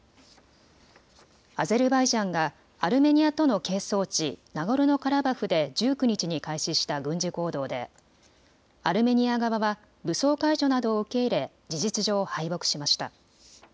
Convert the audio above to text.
アゼルバイジャンがアルメニアとの係争地、ナゴルノカラバフで１９日に開始した軍事行動でアルメニア側は武装解除などを受け入れ事実上、敗北しました。